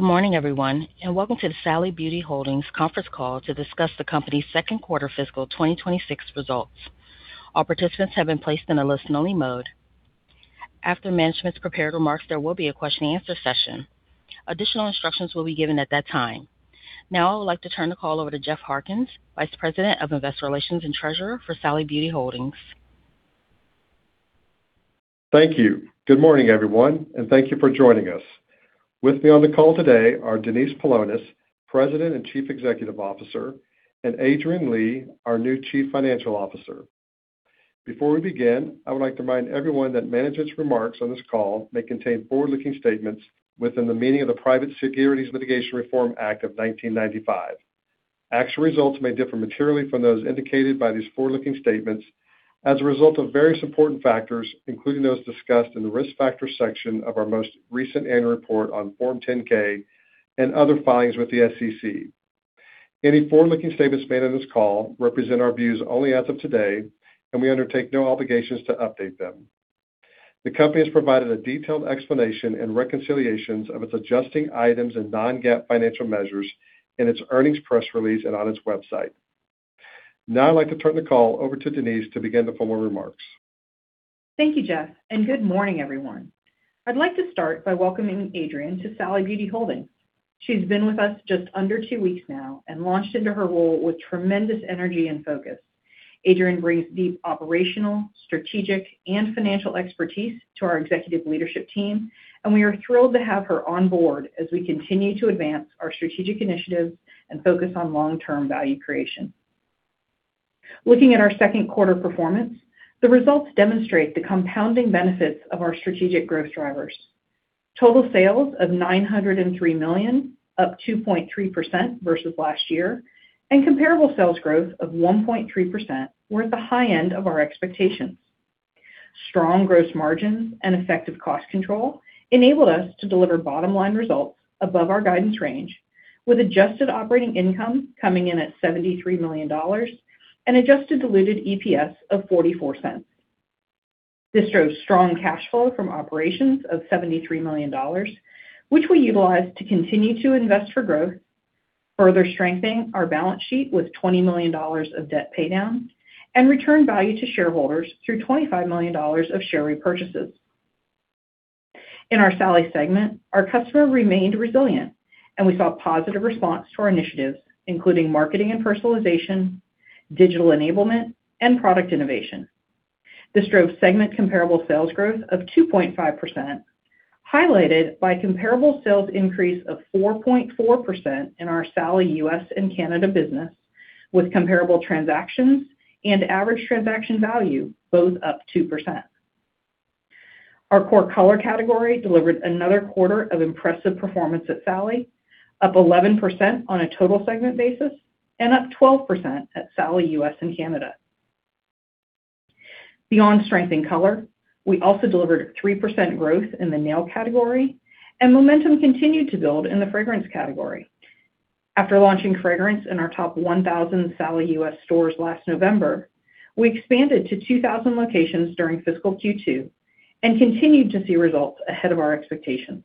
Good morning, everyone, and welcome to the Sally Beauty Holdings conference call to discuss the company's second quarter fiscal 2026 results. All participants have been placed in a listen-only mode. After management's prepared remarks, there will be a question and answer session. Additional instructions will be given at that time. Now I would like to turn the call over to Jeff Harkins, Vice President of Investor Relations and Treasurer for Sally Beauty Holdings. Thank you. Good morning, everyone, and thank you for joining us. With me on the call today are Denise Paulonis, President and Chief Executive Officer, and Adrianne Lee, our new Chief Financial Officer. Before we begin, I would like to remind everyone that management's remarks on this call may contain forward-looking statements within the meaning of the Private Securities Litigation Reform Act of 1995. Actual results may differ materially from those indicated by these forward-looking statements as a result of various important factors, including those discussed in the risk factor section of our most recent annual report on Form 10-K and other filings with the SEC. Any forward-looking statements made on this call represent our views only as of today, and we undertake no obligations to update them. The company has provided a detailed explanation and reconciliations of its adjusting items and non-GAAP financial measures in its earnings press release and on its website. Now I'd like to turn the call over to Denise to begin the formal remarks. Thank you, Jeff, and good morning, everyone. I'd like to start by welcoming Adrianne to Sally Beauty Holdings. She's been with us just under two weeks now and launched into her role with tremendous energy and focus. Adrianne brings deep operational, strategic, and financial expertise to our executive leadership team, and we are thrilled to have her on board as we continue to advance our strategic initiatives and focus on long-term value creation. Looking at our second quarter performance, the results demonstrate the compounding benefits of our strategic growth drivers. Total sales of $903 million, up 2.3% versus last year, and comparable sales growth of 1.3% were at the high end of our expectations. Strong gross margins and effective cost control enabled us to deliver bottom-line results above our guidance range, with adjusted operating income coming in at $73 million and adjusted diluted EPS of $0.44. This drove strong cash flow from operations of $73 million, which we utilized to continue to invest for growth, further strengthening our balance sheet with $20 million of debt paydown and return value to shareholders through $25 million of share repurchases. In our Sally segment, our customer remained resilient, and we saw positive response to our initiatives, including marketing and personalization, digital enablement, and product innovation. This drove segment comparable sales growth of 2.5%, highlighted by comparable sales increase of 4.4% in our Sally U.S. and Canada business, with comparable transactions and average transaction value both up 2%. Our core color category delivered another quarter of impressive performance at Sally, up 11% on a total segment basis and up 12% at Sally U.S. and Canada. Beyond strength in color, we also delivered 3% growth in the nail category and momentum continued to build in the fragrance category. After launching fragrance in our top 1,000 Sally U.S. stores last November, we expanded to 2,000 locations during fiscal Q2 and continued to see results ahead of our expectations.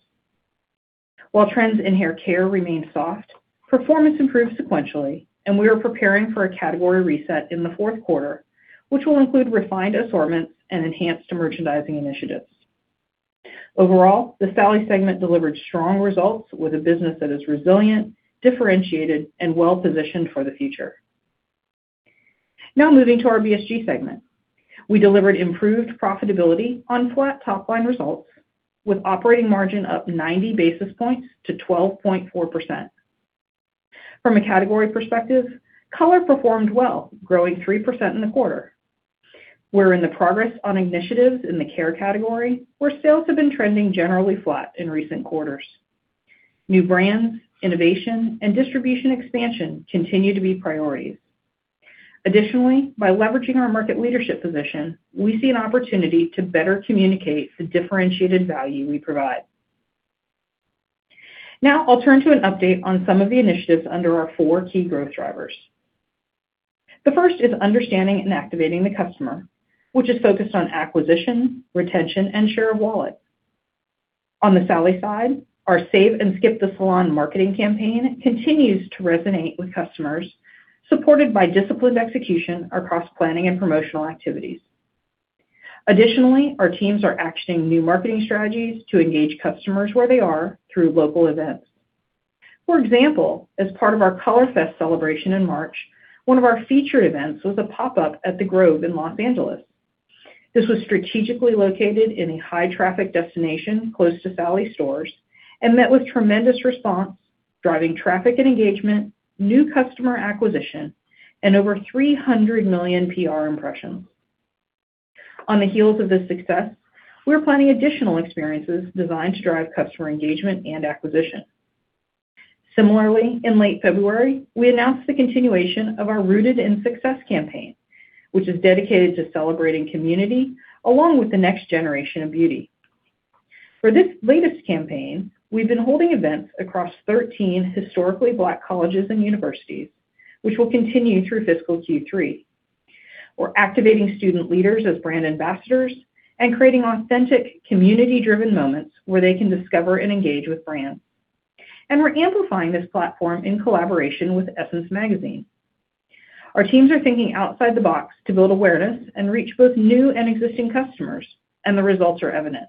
While trends in hair care remained soft, performance improved sequentially, and we are preparing for a category reset in the fourth quarter, which will include refined assortments and enhanced merchandising initiatives. Overall, the Sally segment delivered strong results with a business that is resilient, differentiated, and well-positioned for the future. Now moving to our BSG segment. We delivered improved profitability on flat top-line results with operating margin up 90 basis points to 12.4%. From a category perspective, color performed well, growing 3% in the quarter. We're in the progress on initiatives in the care category, where sales have been trending generally flat in recent quarters. New brands, innovation, and distribution expansion continue to be priorities. By leveraging our market leadership position, we see an opportunity to better communicate the differentiated value we provide. I'll turn to an update on some of the initiatives under our four key growth drivers. The first is understanding and activating the customer, which is focused on acquisition, retention, and share of wallet. On the Sally side, our Save While You Skip the Salon marketing campaign continues to resonate with customers, supported by disciplined execution across planning and promotional activities. Additionally, our teams are actioning new marketing strategies to engage customers where they are through local events. For example, as part of our Color Fest celebration in March, one of our featured events was a pop-up at The Grove in Los Angeles. This was strategically located in a high-traffic destination close to Sally stores and met with tremendous response, driving traffic and engagement, new customer acquisition, and over 300 million PR impressions. On the heels of this success, we're planning additional experiences designed to drive customer engagement and acquisition. Similarly, in late February, we announced the continuation of our Rooted in Success campaign, which is dedicated to celebrating community along with the next generation of beauty. For this latest campaign, we've been holding events across 13 historically Black colleges and universities, which will continue through fiscal Q3. We're activating student leaders as brand ambassadors and creating authentic community-driven moments where they can discover and engage with brands. We're amplifying this platform in collaboration with Essence Magazine. Our teams are thinking outside the box to build awareness and reach both new and existing customers, and the results are evident.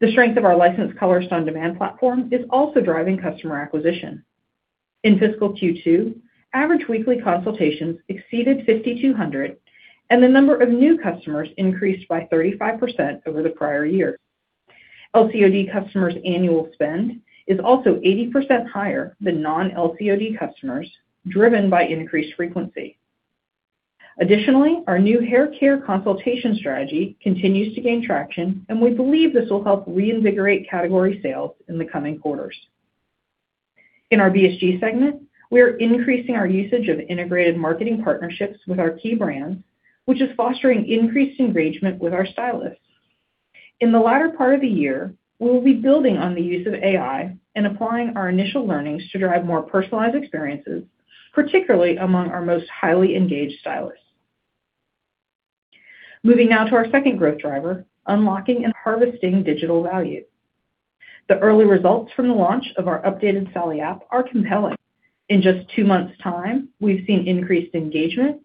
The strength of our licensed Color on Demand platform is also driving customer acquisition. In fiscal Q2, average weekly consultations exceeded 5,200, and the number of new customers increased by 35% over the prior year. LCOD customers' annual spend is also 80% higher than non-LCOD customers, driven by increased frequency. Additionally, our new hair care consultation strategy continues to gain traction, and we believe this will help reinvigorate category sales in the coming quarters. In our BSG segment, we are increasing our usage of integrated marketing partnerships with our key brands, which is fostering increased engagement with our stylists. In the latter part of the year, we will be building on the use of AI and applying our initial learnings to drive more personalized experiences, particularly among our most highly engaged stylists. Moving now to our second growth driver, unlocking and harvesting digital value. The early results from the launch of our updated Sally app are compelling. In just two months' time, we've seen increased engagement,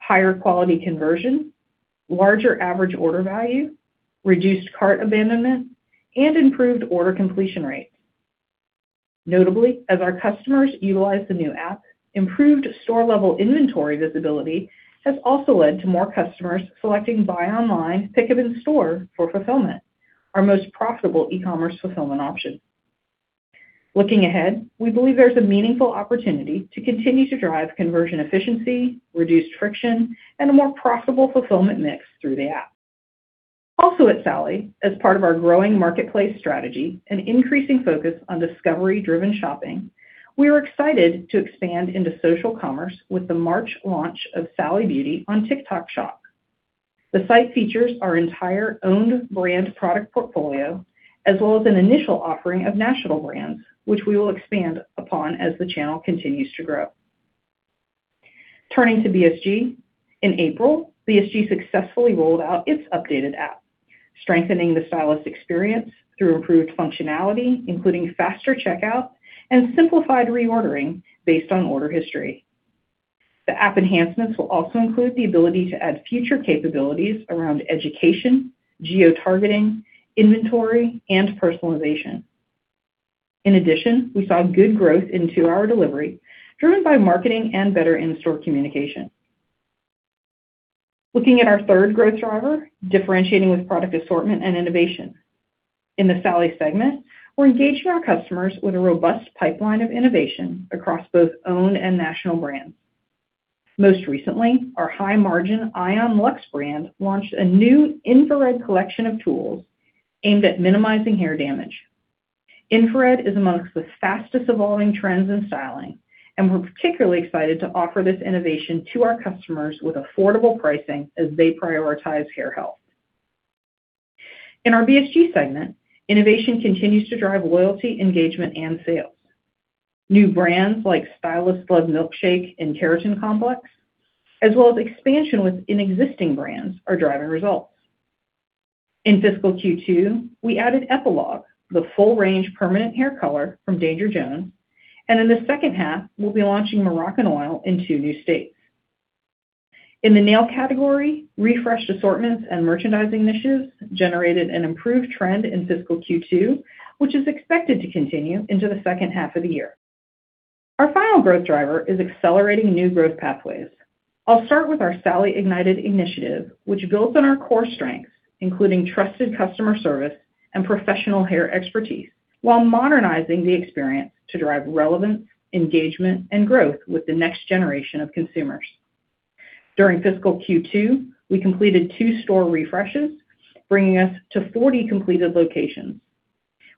higher quality conversion, larger average order value, reduced cart abandonment, and improved order completion rates. Notably, as our customers utilize the new app, improved store-level inventory visibility has also led to more customers selecting buy online, pick up in store for fulfillment, our most profitable e-commerce fulfillment option. Looking ahead, we believe there's a meaningful opportunity to continue to drive conversion efficiency, reduce friction, and a more profitable fulfillment mix through the app. Also at Sally, as part of our growing marketplace strategy and increasing focus on discovery-driven shopping, we are excited to expand into social commerce with the March launch of Sally Beauty on TikTok Shop. The site features our entire owned brands product portfolio, as well as an initial offering of national brands, which we will expand upon as the channel continues to grow. Turning to BSG. In April, BSG successfully rolled out its updated app, strengthening the stylist experience through improved functionality, including faster checkout and simplified reordering based on order history. The app enhancements will also include the ability to add future capabilities around education, geotargeting, inventory, and personalization. In addition, we saw good growth in two-hour delivery, driven by marketing and better in-store communication. Looking at our third growth driver, differentiating with product assortment and innovation. In the Sally segment, we're engaging our customers with a robust pipeline of innovation across both own and national brands. Most recently, our high-margin ion Luxe brand launched a new infrared collection of tools aimed at minimizing hair damage. Infrared is amongst the fastest evolving trends in styling, and we're particularly excited to offer this innovation to our customers with affordable pricing as they prioritize hair health. In our BSG segment, innovation continues to drive loyalty, engagement, and sales. New brands like Stylist Love milk_shake and Keratin Complex, as well as expansion within existing brands are driving results. In fiscal Q2, we added Epilogue, the full range permanent hair color from Danger Jones, and in the second half, we'll be launching Moroccanoil in two new states. In the nail category, refreshed assortments and merchandising initiatives generated an improved trend in fiscal Q2, which is expected to continue into the second half of the year. Our final growth driver is accelerating new growth pathways. I'll start with our Sally Ignited initiative, which builds on our core strengths, including trusted customer service and professional hair expertise, while modernizing the experience to drive relevance, engagement, and growth with the next generation of consumers. During fiscal Q2, we completed two store refreshes, bringing us to 40 completed locations.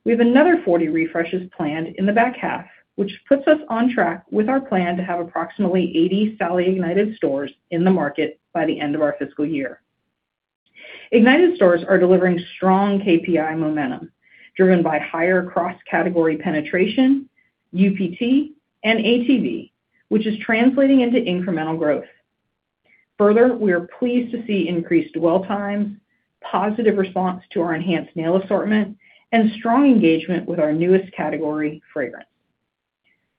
We have another 40 refreshes planned in the back half, which puts us on track with our plan to have approximately 80 Sally U.S. and Canada stores in the market by the end of our fiscal year. Sally Ignited stores are delivering strong KPI momentum, driven by higher cross-category penetration, UPT, and ATV, which is translating into incremental growth. Further, we are pleased to see increased dwell times, positive response to our enhanced nail assortment, and strong engagement with our newest category, fragrance.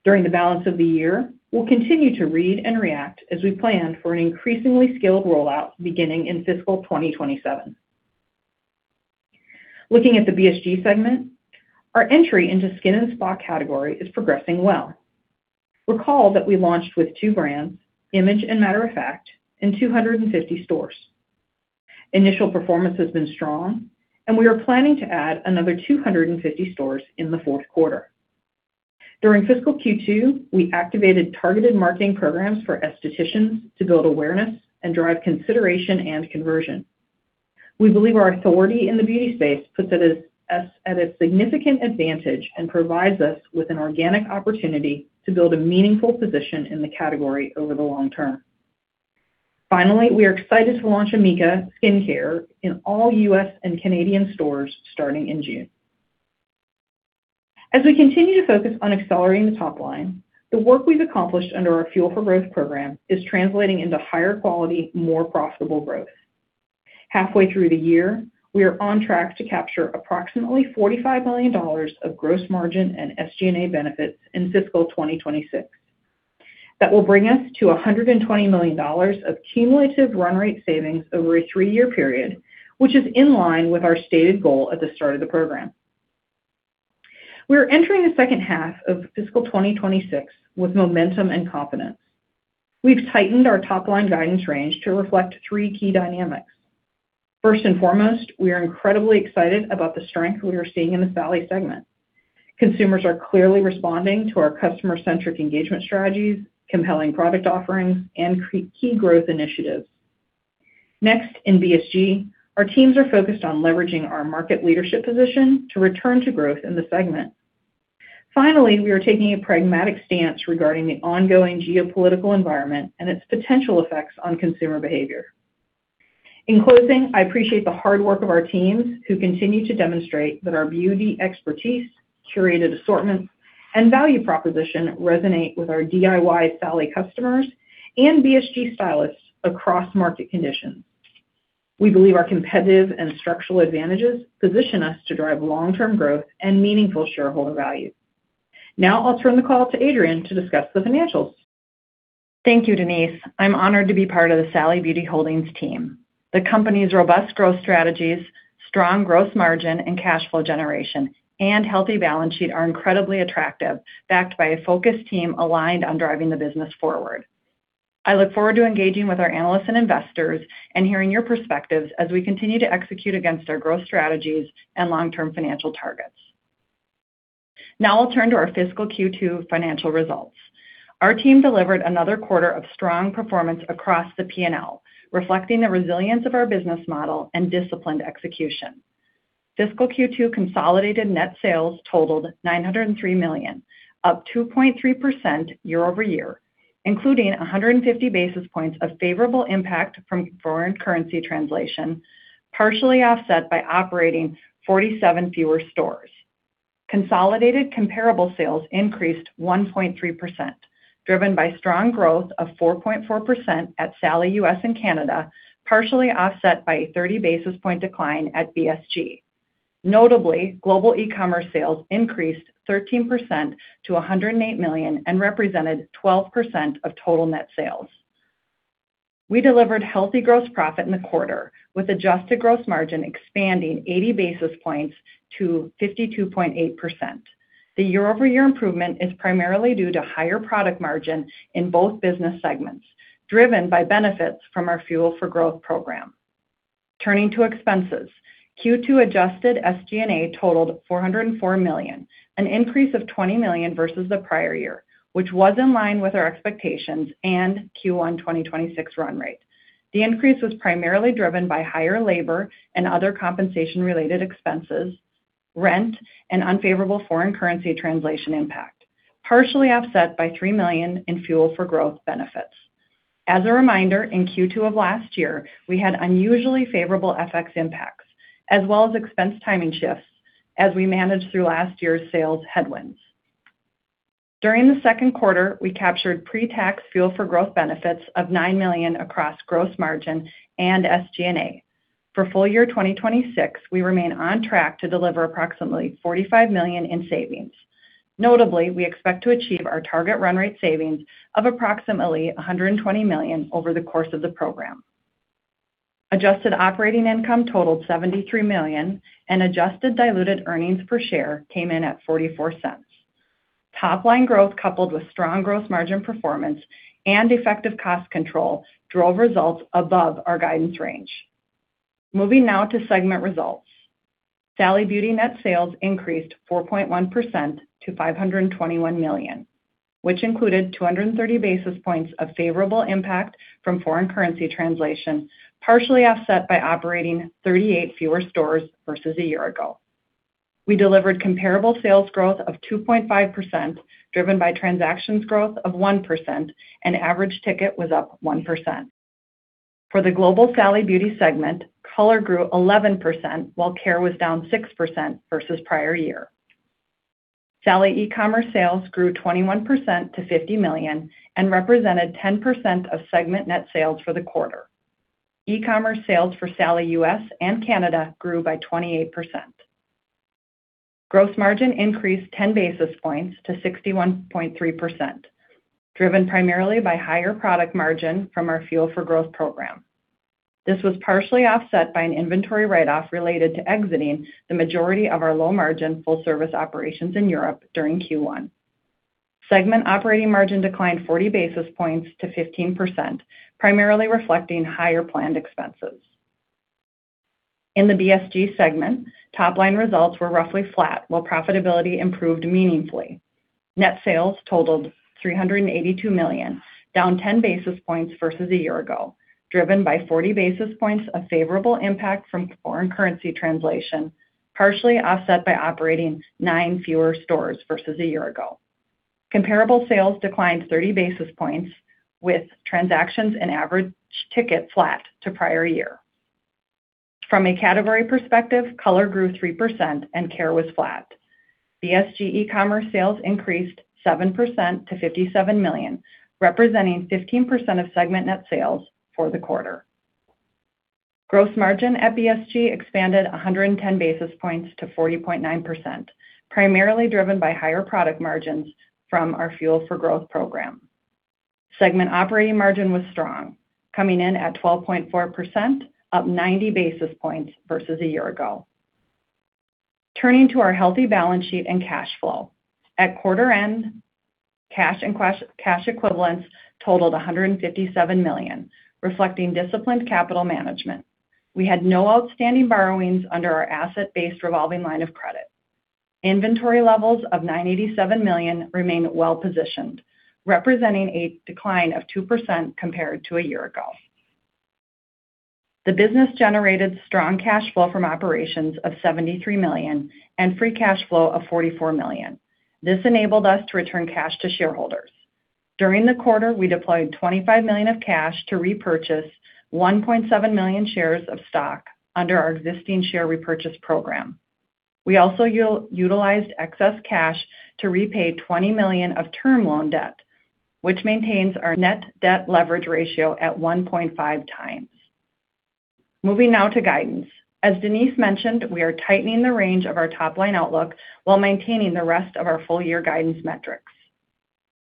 During the balance of the year, we'll continue to read and react as we plan for an increasingly scaled rollout beginning in fiscal 2027. Looking at the BSG segment, our entry into skin and spa category is progressing well. Recall that we launched with two brands, Image and Matter of Fact, in 250 stores. Initial performance has been strong, we are planning to add another 250 stores in the fourth quarter. During fiscal Q2, we activated targeted marketing programs for estheticians to build awareness and drive consideration and conversion. We believe our authority in the beauty space puts us at a significant advantage and provides us with an organic opportunity to build a meaningful position in the category over the long term. We are excited to launch Amika Skin Care in all U.S. and Canadian stores starting in June. We continue to focus on accelerating the top line, the work we've accomplished under our Fuel for Growth program is translating into higher quality, more profitable growth. Halfway through the year, we are on track to capture approximately $45 million of gross margin and SG&A benefits in fiscal 2026. That will bring us to $120 million of cumulative run rate savings over a three-year period, which is in line with our stated goal at the start of the program. We are entering the second half of fiscal 2026 with momentum and confidence. We've tightened our top-line guidance range to reflect three key dynamics. First and foremost, we are incredibly excited about the strength we are seeing in the Sally segment. Consumers are clearly responding to our customer-centric engagement strategies, compelling product offerings, and key growth initiatives. In BSG, our teams are focused on leveraging our market leadership position to return to growth in the segment. We are taking a pragmatic stance regarding the ongoing geopolitical environment and its potential effects on consumer behavior. In closing, I appreciate the hard work of our teams, who continue to demonstrate that our beauty expertise, curated assortments, and value proposition resonate with our DIY Sally customers and BSG stylists across market conditions. We believe our competitive and structural advantages position us to drive long-term growth and meaningful shareholder value. Now I'll turn the call to Adrianne to discuss the financials. Thank you, Denise. I'm honored to be part of the Sally Beauty Holdings team. The company's robust growth strategies, strong gross margin and cash flow generation, and healthy balance sheet are incredibly attractive, backed by a focused team aligned on driving the business forward. I look forward to engaging with our analysts and investors and hearing your perspectives as we continue to execute against our growth strategies and long-term financial targets. Now I'll turn to our fiscal Q2 financial results. Our team delivered another quarter of strong performance across the P&L, reflecting the resilience of our business model and disciplined execution. Fiscal Q2 consolidated net sales totaled $903 million, up 2.3% year-over-year, including 150 basis points of favorable impact from foreign currency translation, partially offset by operating 47 fewer stores. Consolidated comparable sales increased 1.3%, driven by strong growth of 4.4% at Sally U.S. and Canada, partially offset by a 30 basis point decline at BSG. Notably, global e-commerce sales increased 13% to $108 million and represented 12% of total net sales. We delivered healthy gross profit in the quarter, with adjusted gross margin expanding 80 basis points to 52.8%. The year-over-year improvement is primarily due to higher product margin in both business segments, driven by benefits from our Fuel for Growth program. Turning to expenses, Q2 adjusted SG&A totaled $404 million, an increase of $20 million versus the prior year, which was in line with our expectations and Q1 2026 run rate. The increase was primarily driven by higher labor and other compensation-related expenses, rent, and unfavorable foreign currency translation impact, partially offset by $3 million in Fuel for Growth benefits. As a reminder, in Q2 of last year, we had unusually favorable FX impacts, as well as expense timing shifts as we managed through last year's sales headwinds. During the second quarter, we captured pre-tax Fuel for Growth benefits of $9 million across gross margin and SG&A. For full year 2026, we remain on track to deliver approximately $45 million in savings. Notably, we expect to achieve our target run rate savings of approximately $120 million over the course of the program. Adjusted operating income totaled $73 million and adjusted diluted earnings per share came in at $0.44. Top line growth coupled with strong gross margin performance and effective cost control drove results above our guidance range. Moving now to segment results. Sally Beauty net sales increased 4.1% to $521 million, which included 230 basis points of favorable impact from foreign currency translation, partially offset by operating 38 fewer stores versus a year ago. We delivered comparable sales growth of 2.5%, driven by transactions growth of 1%, and average ticket was up 1%. For the global Sally Beauty segment, color grew 11% while care was down 6% versus prior year. Sally e-commerce sales grew 21% to $50 million and represented 10% of segment net sales for the quarter. E-commerce sales for Sally US and Canada grew by 28%. Gross margin increased 10 basis points to 61.3%, driven primarily by higher product margin from our Fuel for Growth program. This was partially offset by an inventory write-off related to exiting the majority of our low-margin full-service operations in Europe during Q1. Segment operating margin declined 40 basis points to 15%, primarily reflecting higher planned expenses. In the BSG segment, top-line results were roughly flat while profitability improved meaningfully. Net sales totaled $382 million, down 10 basis points versus a year ago, driven by 40 basis points of favorable impact from foreign currency translation, partially offset by operating nine fewer stores versus a year ago. Comparable sales declined 30 basis points with transactions and average ticket flat to prior year. From a category perspective, color grew 3% and care was flat. BSG e-commerce sales increased 7% to $57 million, representing 15% of segment net sales for the quarter. Gross margin at BSG expanded 110 basis points to 40.9%, primarily driven by higher product margins from our Fuel for Growth program. Segment operating margin was strong, coming in at 12.4%, up 90 basis points versus a year ago. Turning to our healthy balance sheet and cash flow. At quarter end, cash equivalents totaled $157 million, reflecting disciplined capital management. We had no outstanding borrowings under our asset-based revolving line of credit. Inventory levels of $987 million remain well-positioned, representing a decline of 2% compared to a year ago. The business generated strong cash flow from operations of $73 million and free cash flow of $44 million. This enabled us to return cash to shareholders. During the quarter, we deployed $25 million of cash to repurchase 1.7 million shares of stock under our existing share repurchase program. We also utilized excess cash to repay $20 million of term loan debt, which maintains our net debt leverage ratio at 1.5x. Moving now to guidance. As Denise mentioned, we are tightening the range of our top-line outlook while maintaining the rest of our full year guidance metrics.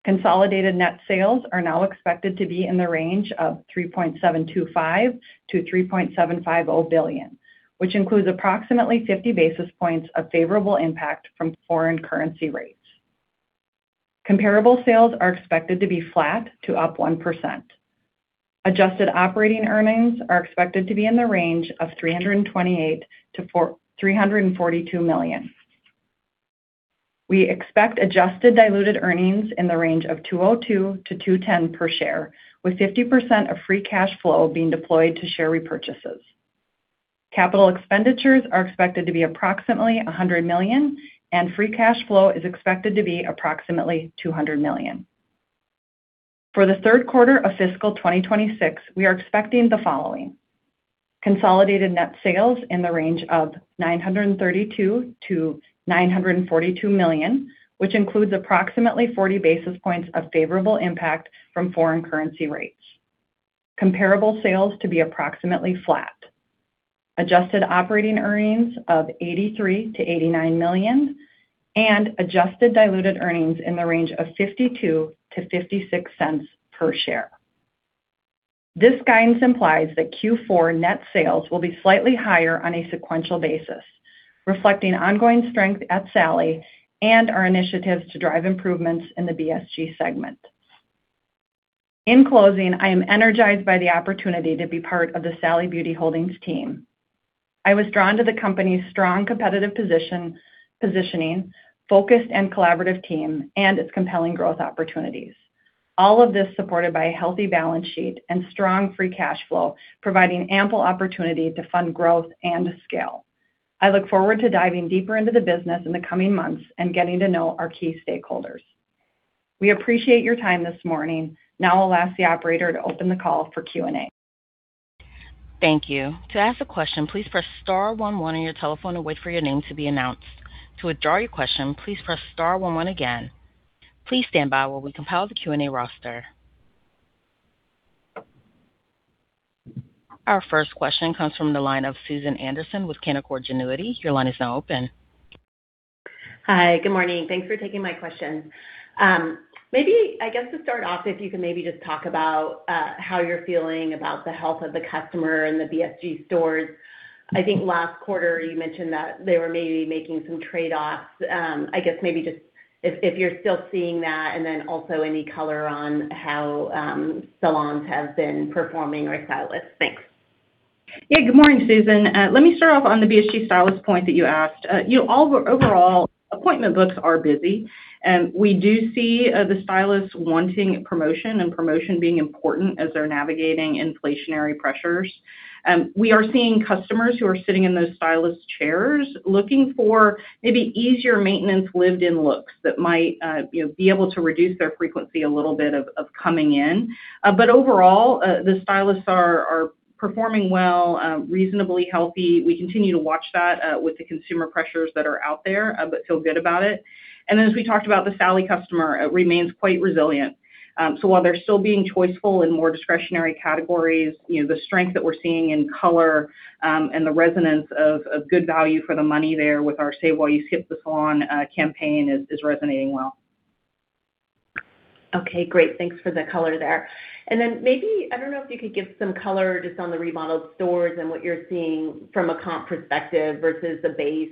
Consolidated net sales are now expected to be in the range of $3.725 billion-$3.750 billion, which includes approximately 50 basis points of favorable impact from foreign currency rates. Comparable sales are expected to be flat to up 1%. Adjusted operating earnings are expected to be in the range of $328 million-$342 million. We expect adjusted diluted earnings in the range of $2.02-$2.10 per share, with 50% of free cash flow being deployed to share repurchases. Capital expenditures are expected to be approximately $100 million, and free cash flow is expected to be approximately $200 million. For the third quarter of fiscal 2026, we are expecting the following: Consolidated net sales in the range of $932 million-$942 million, which includes approximately 40 basis points of favorable impact from foreign currency rates. Comparable sales to be approximately flat. Adjusted operating earnings of $83 million-$89 million, and adjusted diluted earnings in the range of $0.52-$0.56 per share. This guidance implies that Q4 net sales will be slightly higher on a sequential basis, reflecting ongoing strength at Sally and our initiatives to drive improvements in the BSG segment. In closing, I am energized by the opportunity to be part of the Sally Beauty Holdings team. I was drawn to the company's strong competitive positioning, focused and collaborative team, and its compelling growth opportunities. All of this supported by a healthy balance sheet and strong free cash flow, providing ample opportunity to fund growth and scale. I look forward to diving deeper into the business in the coming months and getting to know our key stakeholders. We appreciate your time this morning. Now I'll ask the operator to open the call for Q&A. Our first question comes from the line of Susan Anderson with Canaccord Genuity. Your line is now open. Hi, good morning. Thanks for taking my question. Maybe I guess to start off, if you could maybe just talk about how you're feeling about the health of the customer in the BSG stores. I think last quarter you mentioned that they were maybe making some trade-offs. I guess maybe just if you're still seeing that, and then also any color on how salons have been performing or stylists. Thanks. Yeah. Good morning, Susan. Let me start off on the BSG stylist point that you asked. You know, overall, appointment books are busy. We do see the stylists wanting promotion and promotion being important as they're navigating inflationary pressures. We are seeing customers who are sitting in those stylist chairs looking for maybe easier maintenance lived-in looks that might, you know, be able to reduce their frequency a little bit of coming in. But overall, the stylists are performing well, reasonably healthy. We continue to watch that with the consumer pressures that are out there, but feel good about it. Then as we talked about the Sally customer, it remains quite resilient. While they're still being choiceful in more discretionary categories, you know, the strength that we're seeing in color, and the resonance of good value for the money there with our Save While You Skip the Salon campaign is resonating well. Okay, great. Thanks for the color there. Maybe, I don't know if you could give some color just on the remodeled stores and what you're seeing from a comp perspective versus the base.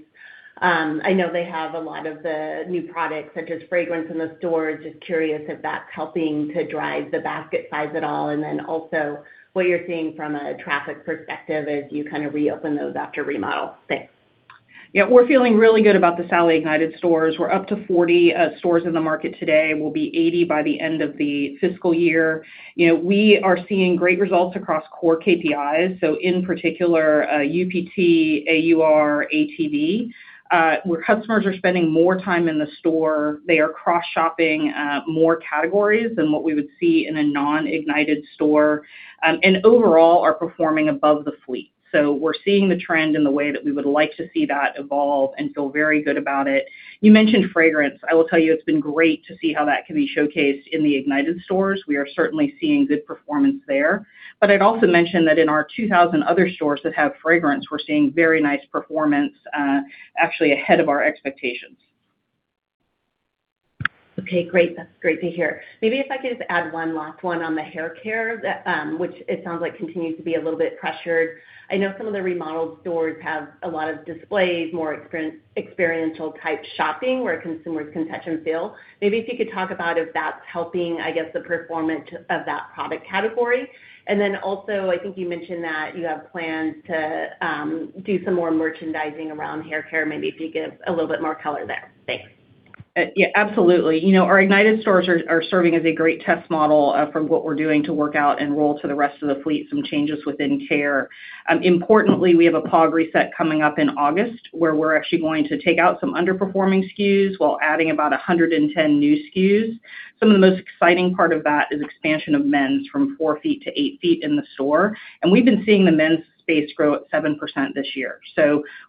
I know they have a lot of the new products, such as fragrance in the stores. Just curious if that's helping to drive the basket size at all. Also what you're seeing from a traffic perspective as you kind of reopen those after remodel. Thanks. Yeah. We're feeling really good about the Sally Ignited stores. We're up to 40 stores in the market today. We'll be 80 by the end of the fiscal year. You know, we are seeing great results across core KPIs. In particular, UPT, AUR, ATV, where customers are spending more time in the store. They are cross-shopping more categories than what we would see in a non-Ignited store, and overall are performing above the fleet. We're seeing the trend in the way that we would like to see that evolve and feel very good about it. You mentioned fragrance. I will tell you it's been great to see how that can be showcased in the Ignited stores. We are certainly seeing good performance there. I'd also mention that in our 2,000 other stores that have fragrance, we're seeing very nice performance, actually ahead of our expectations. Okay, great. That's great to hear. Maybe if I could just add one last one on the haircare that, which it sounds like continues to be a little bit pressured. I know some of the remodeled stores have a lot of displays, more experiential type shopping where consumers can touch and feel. Maybe if you could talk about if that's helping, I guess, the performance of that product category. Then also, I think you mentioned that you have plans to do some more merchandising around haircare. Maybe if you could give a little bit more color there. Thanks. Yeah, absolutely. You know, our Sally Ignited stores are serving as a great test model from what we're doing to work out and roll to the rest of the fleet some changes within care. Importantly, we have a POG reset coming up in August, where we're actually going to take out some underperforming SKUs while adding about 110 new SKUs. Some of the most exciting part of that is expansion of men's from 4 ft-8 ft in the store. We've been seeing the men's space grow at 7% this year.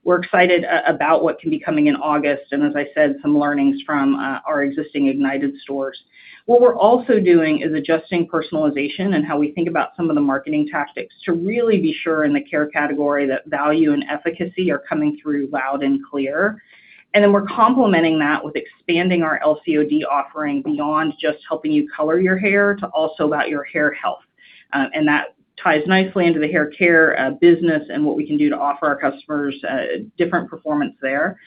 We're excited about what can be coming in August, and as I said, some learnings from our existing Sally Ignited stores. What we're also doing is adjusting personalization and how we think about some of the marketing tactics to really be sure in the care category that value and efficacy are coming through loud and clear. We're complementing that with expanding our LCOD offering beyond just helping you color your hair to also about your hair health. That ties nicely into the haircare business and what we can do to offer our customers a different performance there.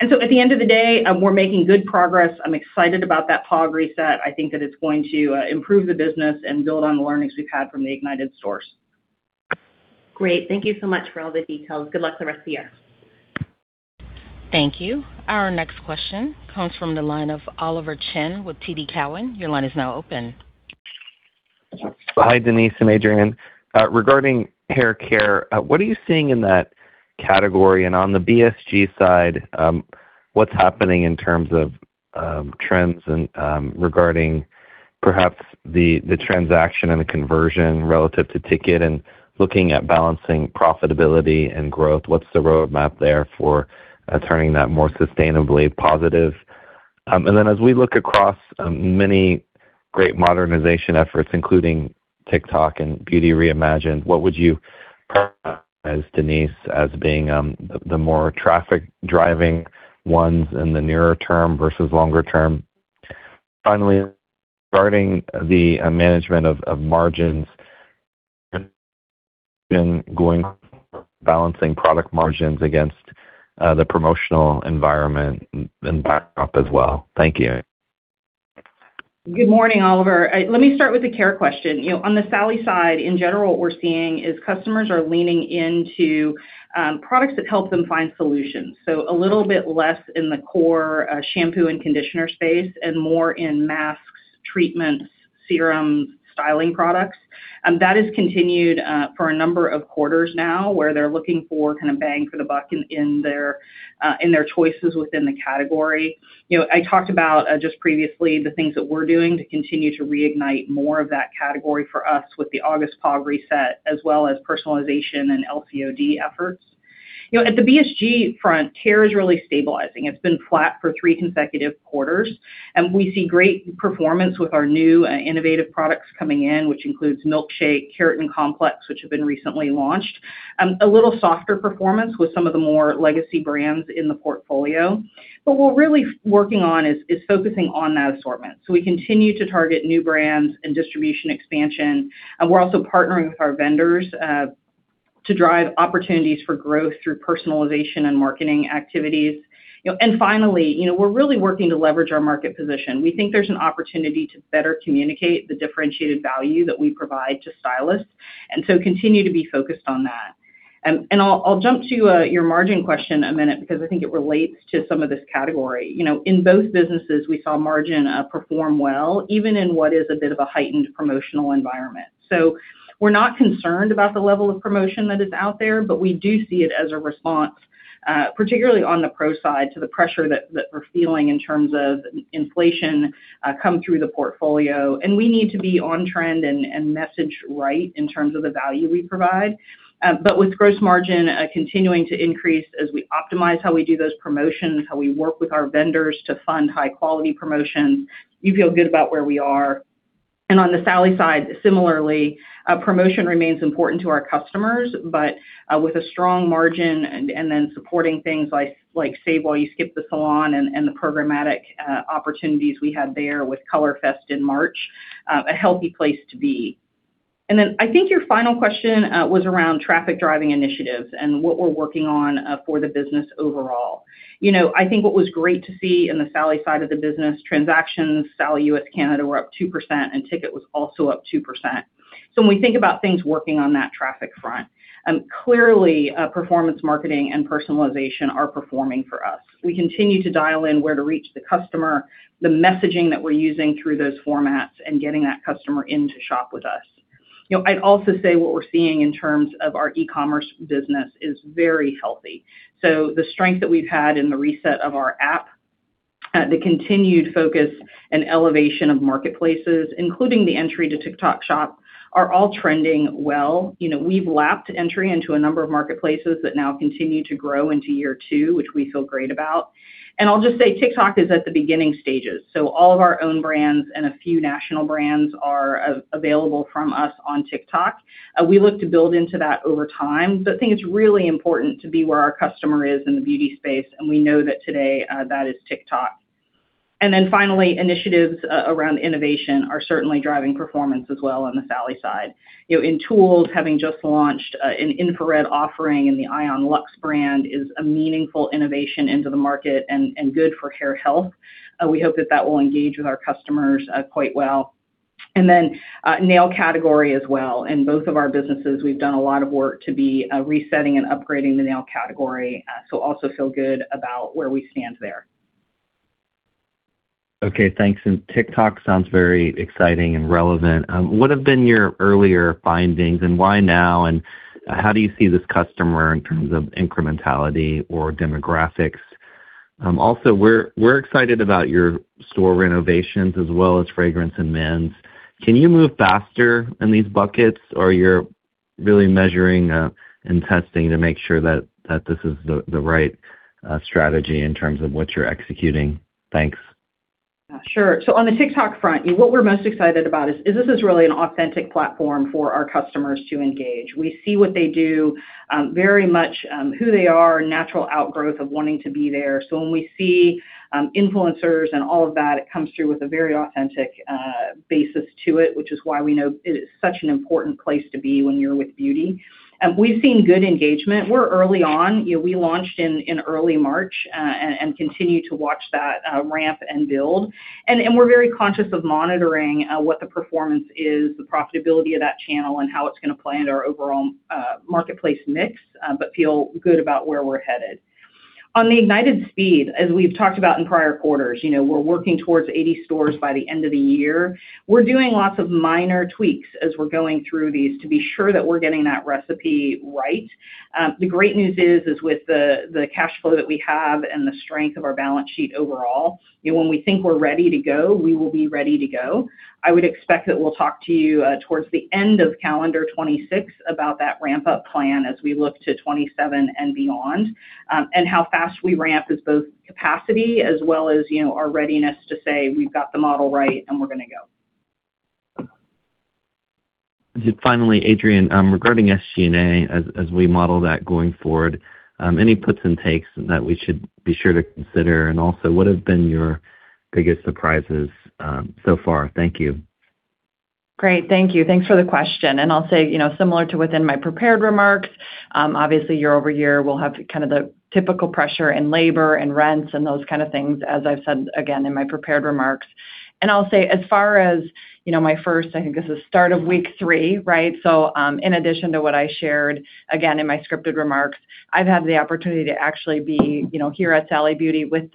At the end of the day, we're making good progress. I'm excited about that POG reset. I think that it's going to improve the business and build on the learnings we've had from the Ignited stores. Great. Thank you so much for all the details. Good luck the rest of the year. Thank you. Our next question comes from the line of Oliver Chen with TD Cowen. Your line is now open. Hi, Denise and Adrianne. Regarding haircare, what are you seeing in that category? On the BSG side, what's happening in terms of trends and regarding perhaps the transaction and the conversion relative to ticket and looking at balancing profitability and growth, what's the roadmap there for turning that more sustainably positive? As we look across many great modernization efforts, including TikTok and Beauty Reimagined, what would you as Denise as being the more traffic-driving ones in the nearer term versus longer term? Finally, regarding the management of margins been going balancing product margins against the promotional environment and back up as well. Thank you. Good morning, Oliver. Let me start with the care question. You know, on the Sally side, in general, what we're seeing is customers are leaning into products that help them find solutions. A little bit less in the core shampoo and conditioner space and more in masks, treatments, serums, styling products. That has continued for a number of quarters now, where they're looking for kind of bang for the buck in their choices within the category. You know, I talked about just previously the things that we're doing to continue to reignite more of that category for us with the August POG reset, as well as personalization and LCOD efforts. You know, at the BSG front, care is really stabilizing. It's been flat for three consecutive quarters. We see great performance with our new innovative products coming in, which includes milk_shake, Keratin Complex, which have been recently launched. A little softer performance with some of the more legacy brands in the portfolio. What we're really working on is focusing on that assortment. We continue to target new brands and distribution expansion. We're also partnering with our vendors to drive opportunities for growth through personalization and marketing activities. You know, finally, you know, we're really working to leverage our market position. We think there's an opportunity to better communicate the differentiated value that we provide to stylists, continue to be focused on that. I'll jump to your margin question a minute because I think it relates to some of this category. You know, in both businesses, we saw margin perform well, even in what is a bit of a heightened promotional environment. We're not concerned about the level of promotion that is out there, but we do see it as a response, particularly on the pro side, to the pressure that we're feeling in terms of inflation, come through the portfolio. We need to be on trend and message right in terms of the value we provide. With gross margin continuing to increase as we optimize how we do those promotions, how we work with our vendors to fund high-quality promotions, we feel good about where we are. On the Sally side, similarly, promotion remains important to our customers, but with a strong margin and then supporting things like Save While You Skip the Salon and the programmatic opportunities we had there with Color Fest in March, a healthy place to be. I think your final question was around traffic-driving initiatives and what we're working on for the business overall. You know, I think what was great to see in the Sally side of the business, transactions, Sally U.S. and Canada, were up 2%, and ticket was also up 2%. When we think about things working on that traffic front, clearly, performance marketing and personalization are performing for us. We continue to dial in where to reach the customer, the messaging that we're using through those formats, and getting that customer in to shop with us. You know, I'd also say what we're seeing in terms of our e-commerce business is very healthy. The strength that we've had in the reset of our app, the continued focus and elevation of marketplaces, including the entry to TikTok Shop, are all trending well. You know, we've lapped entry into a number of marketplaces that now continue to grow into year two, which we feel great about. I'll just say, TikTok is at the beginning stages, so all of our own brands and a few national brands are available from us on TikTok. We look to build into that over time. I think it's really important to be where our customer is in the beauty space, and we know that today, that is TikTok. Finally, initiatives around innovation are certainly driving performance as well on the Sally side. You know, in tools, having just launched an infrared offering in the ion Luxe brand is a meaningful innovation into the market and good for hair health. We hope that that will engage with our customers quite well. Nail category as well. In both of our businesses, we've done a lot of work to be resetting and upgrading the nail category, so also feel good about where we stand there. Okay, thanks. TikTok sounds very exciting and relevant. What have been your earlier findings, and why now, and how do you see this customer in terms of incrementality or demographics? Also we're excited about your store renovations as well as fragrance in men's. Can you move faster in these buckets, or you're really measuring and testing to make sure that this is the right strategy in terms of what you're executing? Thanks. Sure. On the TikTok front, what we're most excited about is this is really an authentic platform for our customers to engage. We see what they do, very much, who they are, a natural outgrowth of wanting to be there. When we see influencers and all of that, it comes through with a very authentic basis to it, which is why we know it is such an important place to be when you're with beauty. We've seen good engagement. We're early on. You know, we launched in early March and continue to watch that ramp and build. We're very conscious of monitoring what the performance is, the profitability of that channel, and how it's gonna play into our overall marketplace mix, feel good about where we're headed. On the Sally Ignited speed, as we've talked about in prior quarters, you know, we're working towards 80 stores by the end of the year. We're doing lots of minor tweaks as we're going through these to be sure that we're getting that recipe right. The great news is with the cash flow that we have and the strength of our balance sheet overall, you know, when we think we're ready to go, we will be ready to go. I would expect that we'll talk to you towards the end of calendar 2026 about that ramp-up plan as we look to 2027 and beyond, and how fast we ramp is both capacity as well as, you know, our readiness to say, "We've got the model right, and we're gonna go. Finally, Adrianne Lee, regarding SG&A, as we model that going forward, any puts and takes that we should be sure to consider? Also, what have been your biggest surprises so far? Thank you. Great. Thank you. Thanks for the question. I'll say, you know, similar to within my prepared remarks, obviously year-over-year, we'll have kind of the typical pressure in labor and rents and those kind of things, as I've said, again, in my prepared remarks. I'll say, as far as, you know, my first, I think this is start of week three, right? In addition to what I shared, again, in my scripted remarks, I've had the opportunity to actually be, you know, here at Sally Beauty with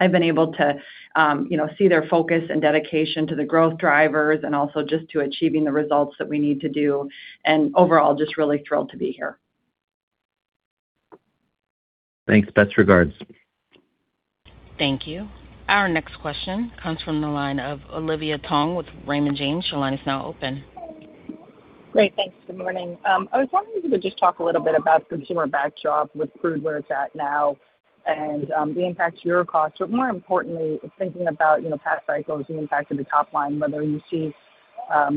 the team. I've been able to, you know, see their focus and dedication to the growth drivers and also just to achieving the results that we need to do, and overall, just really thrilled to be here. Thanks. Best regards. Thank you. Our next question comes from the line of Olivia Tong with Raymond James. Your line is now open. Great. Thanks. Good morning. I was wondering if you could just talk a little bit about consumer backdrop with food, where it's at now, and the impact to your costs, but more importantly, thinking about, you know, past cycles, the impact to the top line, whether you see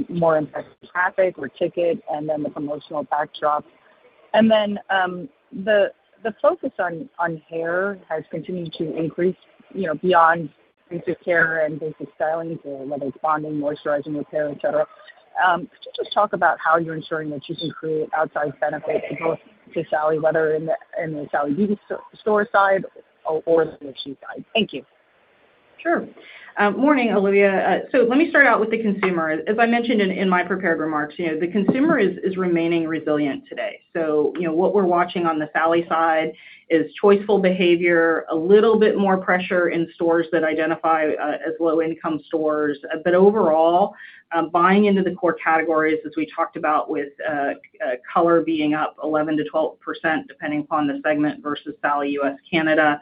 more impact to traffic or ticket and then the promotional backdrop. Then, the focus on hair has continued to increase, you know, beyond basic hair and basic stylings, whether it's bonding, moisturizing, repair, et cetera. Could you just talk about how you're ensuring that you can create outsized benefits both to Sally, whether in the Sally Beauty store side or the BSG side? Thank you. Sure. Morning, Olivia. Let me start out with the consumer. As I mentioned in my prepared remarks, you know, the consumer is remaining resilient today. You know, what we're watching on the Sally side is choiceful behavior, a little bit more pressure in stores that identify as low-income stores. Overall, buying into the core categories, as we talked about with color being up 11%-12%, depending upon the segment versus Sally U.S. and Canada.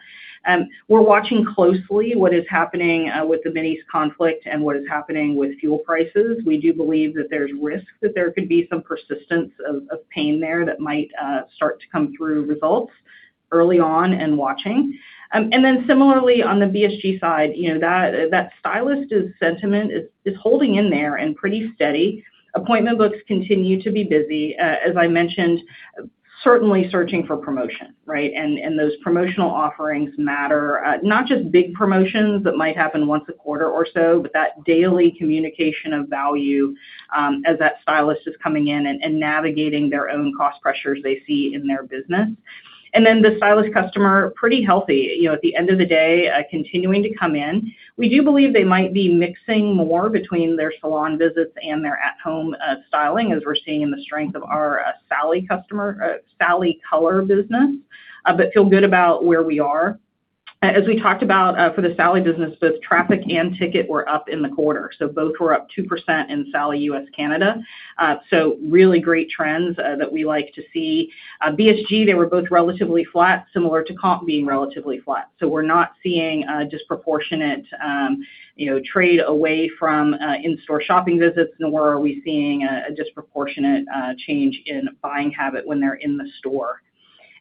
We're watching closely what is happening with the Mideast conflict and what is happening with fuel prices. We do believe that there's risk that there could be some persistence of pain there that might start to come through results early on and watching. Similarly, on the BSG side, you know, that stylist sentiment is holding in there and pretty steady. Appointment books continue to be busy. As I mentioned, certainly searching for promotion, right? Those promotional offerings matter. Not just big promotions that might happen once a quarter or so, but that daily communication of value as that stylist is coming in and navigating their own cost pressures they see in their business. The stylist customer, pretty healthy, you know, at the end of the day, continuing to come in. We do believe they might be mixing more between their salon visits and their at-home styling, as we're seeing in the strength of our Sally customer Sally color business, but feel good about where we are. As we talked about for the Sally business, both traffic and ticket were up in the quarter. Both were up 2% in Sally US, Canada. Really great trends that we like to see. BSG, they were both relatively flat, similar to comp being relatively flat. We're not seeing a disproportionate, you know, trade away from in-store shopping visits, nor are we seeing a disproportionate change in buying habit when they're in the store.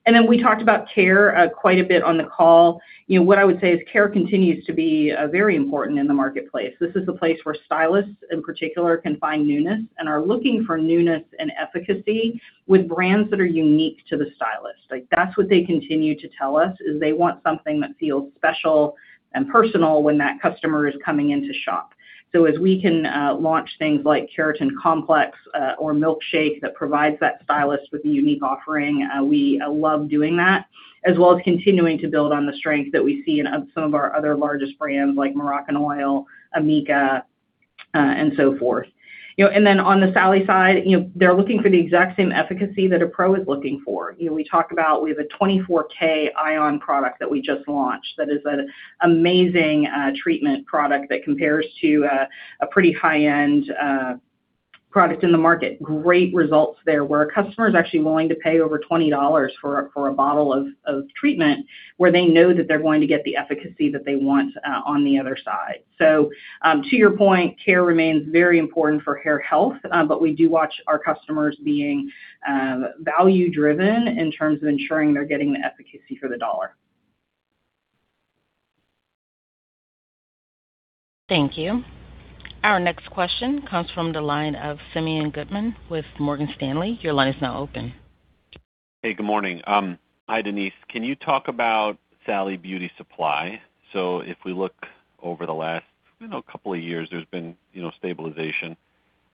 Then we talked about care quite a bit on the call. You know, what I would say is care continues to be very important in the marketplace. This is a place where stylists, in particular, can find newness and are looking for newness and efficacy with brands that are unique to the stylist. Like, that's what they continue to tell us, is they want something that feels special and personal when that customer is coming in to shop. As we can launch things like Keratin Complex or milk_shake that provides that stylist with a unique offering, we love doing that, as well as continuing to build on the strength that we see in some of our other largest brands like Moroccanoil, Amika, and so forth. You know, on the Sally side, you know, they're looking for the exact same efficacy that a pro is looking for. We talk about we have a 24K ion product that we just launched that is an amazing treatment product that compares to a pretty high-end product in the market. Great results there, where a customer is actually willing to pay over $20 for a bottle of treatment where they know that they're going to get the efficacy that they want on the other side. To your point, care remains very important for hair health, but we do watch our customers being value-driven in terms of ensuring they're getting the efficacy for the dollar. Thank you. Our next question comes from the line of Simeon Gutman with Morgan Stanley. Your line is now open. Hey, good morning. Hi, Denise. Can you talk about Sally Beauty Supply? If we look over the last, you know, couple of years, there's been, you know, stabilization.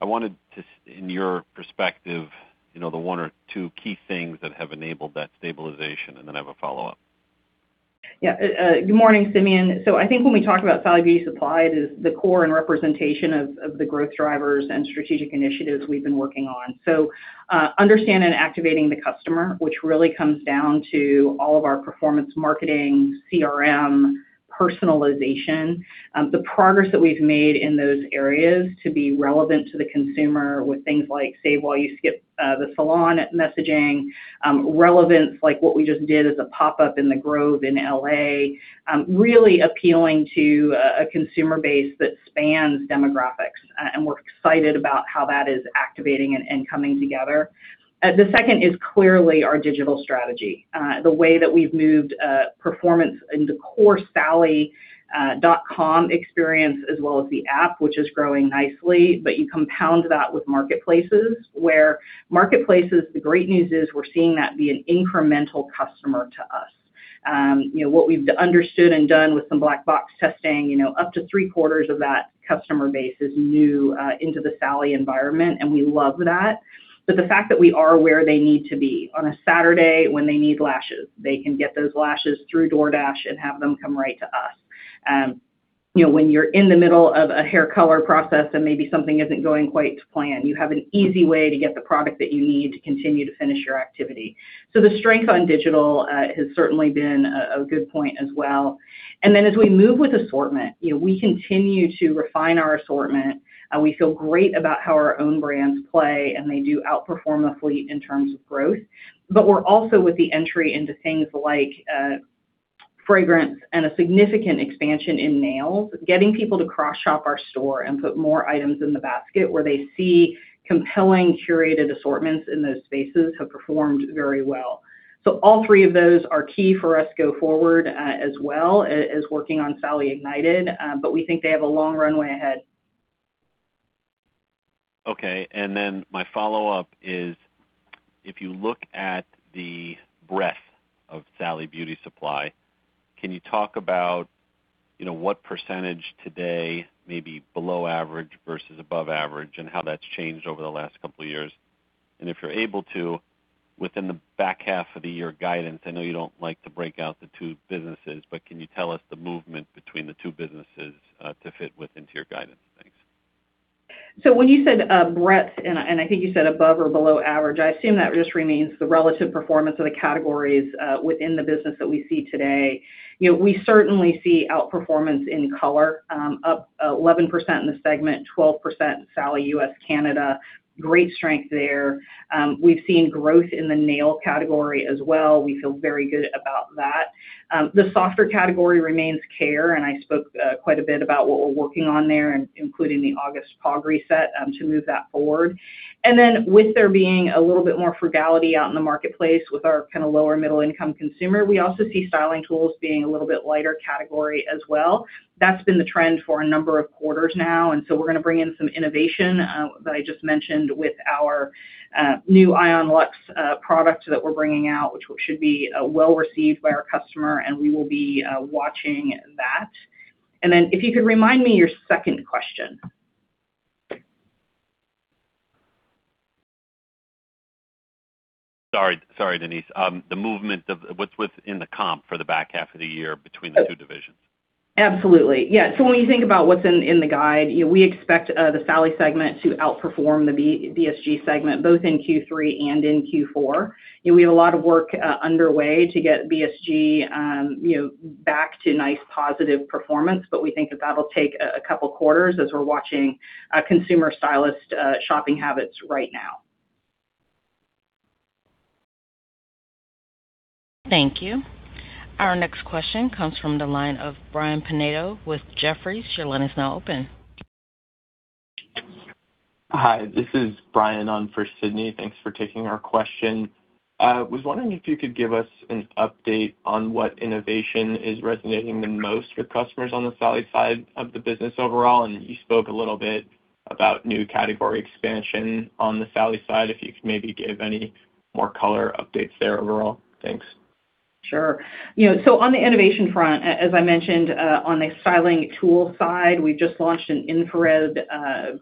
In your perspective, you know, the one or two key things that have enabled that stabilization. Then I have a follow-up. Yeah. Good morning, Simeon. I think when we talk about Sally Beauty Supply, it is the core and representation of the growth drivers and strategic initiatives we've been working on. Understand and activating the customer, which really comes down to all of our performance marketing, CRM, personalization. The progress that we've made in those areas to be relevant to the consumer with things like Save While You Skip the Salon messaging, relevance like what we just did as a pop-up in The Grove in L.A., really appealing to a consumer base that spans demographics. And we're excited about how that is activating and coming together. The second is clearly our digital strategy. The way that we've moved performance into core sally.com experience as well as the app, which is growing nicely. You compound that with marketplaces where marketplaces, the great news is we're seeing that be an incremental customer to us. You know, what we've understood and done with some black box testing, you know, up to three-quarters of that customer base is new into the Sally environment, and we love that. The fact that we are where they need to be. On a Saturday when they need lashes, they can get those lashes through DoorDash and have them come right to us. You know, when you're in the middle of a hair color process and maybe something isn't going quite to plan, you have an easy way to get the product that you need to continue to finish your activity. The strength on digital has certainly been a good point as well. As we move with assortment, you know, we continue to refine our assortment. We feel great about how our own brands play, and they do outperform the fleet in terms of growth. We're also with the entry into things like fragrance and a significant expansion in nails, getting people to cross-shop our store and put more items in the basket where they see compelling curated assortments in those spaces have performed very well. All three of those are key for us go forward, as well as working on Sally Ignited. We think they have a long runway ahead. Okay. My follow-up is if you look at the breadth of Sally Beauty Supply, can you talk about, you know, what % today may be below average versus above average and how that's changed over the last couple of years? If you're able to, within the back half of the year guidance, I know you don't like to break out the two businesses, but can you tell us the movement between the two businesses to fit within to your guidance? Thanks. When you said, breadth and I think you said above or below average, I assume that just remains the relative performance of the categories, within the business that we see today. You know, we certainly see outperformance in color, up 11% in the segment, 12% in Sally US and Canada. Great strength there. We've seen growth in the nail category as well. We feel very good about that. The softer category remains care, and I spoke quite a bit about what we're working on there, including the August POG reset, to move that forward. With there being a little bit more frugality out in the marketplace with our kinda lower middle income consumer, we also see styling tools being a little bit lighter category as well. That's been the trend for a number of quarters now, we're gonna bring in some innovation that I just mentioned with our new Ion Luxe product that we're bringing out, which should be well-received by our customer, and we will be watching that. If you could remind me your second question. Sorry, Denise. The movement of what's within the comp for the back half of the year between the two divisions. Absolutely. Yeah, when you think about what's in the guide, you know, we expect the Sally segment to outperform the BSG segment, both in Q3 and in Q4. You know, we have a lot of work underway to get BSG, you know, back to nice, positive performance, we think that that'll take a couple quarters as we're watching consumer stylist shopping habits right now. Thank you. Our next question comes from the line of Bryan Pinedo with Jefferies. Your line is now open. Hi, this is Bryan Pinedo on for Sydney. Thanks for taking our question. I was wondering if you could give us an update on what innovation is resonating the most with customers on the Sally side of the business overall, and you spoke a little bit about new category expansion on the Sally side, if you could maybe give any more color updates there overall. Thanks. Sure. You know, on the innovation front, as I mentioned, on the styling tool side, we just launched an infrared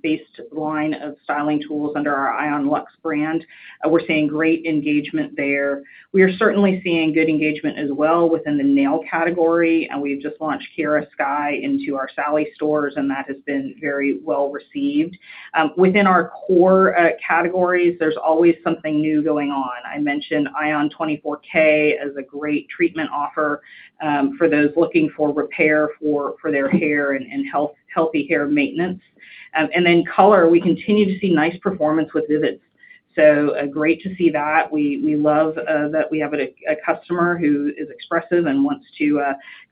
based line of styling tools under our Ion Luxe brand. We're seeing great engagement there. We are certainly seeing good engagement as well within the nail category, and we've just launched Kiara Sky into our Sally stores, and that has been very well-received. Within our core categories, there's always something new going on. I mentioned ion 24K as a great treatment offer for those looking for repair for their hair and healthy hair maintenance. Color, we continue to see nice performance with Vivids. Great to see that. We love that we have a customer who is expressive and wants to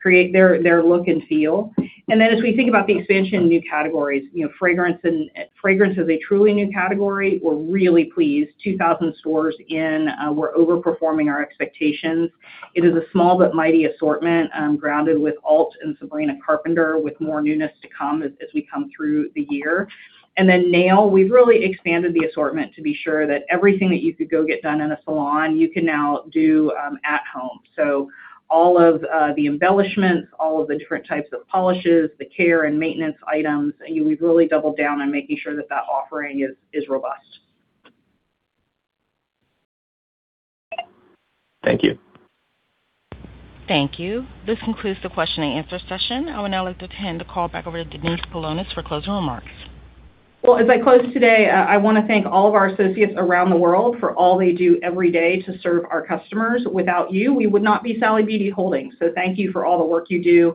create their look and feel. Then as we think about the expansion of new categories, you know, fragrance is a truly new category. We're really pleased, 2,000 stores in, we're overperforming our expectations. It is a small but mighty assortment, grounded with ALT. and Sabrina Carpenter, with more newness to come as we come through the year. Then nail, we've really expanded the assortment to be sure that everything that you could go get done in a salon, you can now do at home. All of the embellishments, all of the different types of polishes, the care and maintenance items, you know, we've really doubled down on making sure that that offering is robust. Thank you. Thank you. This concludes the question and answer session. I would now like to hand the call back over to Denise Paulonis for closing remarks. Well, as I close today, I want to thank all of our associates around the world for all they do every day to serve our customers. Without you, we would not be Sally Beauty Holdings. Thank you for all the work you do.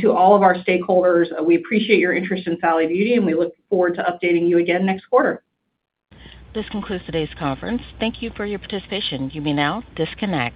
To all of our stakeholders, we appreciate your interest in Sally Beauty, and we look forward to updating you again next quarter. This concludes today's conference. Thank you for your participation. You may now disconnect.